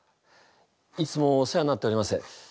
いつもお世話になっております。